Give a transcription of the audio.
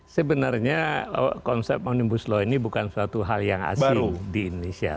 sebenarnya konsep omnibus law ini bukan suatu hal yang asing di indonesia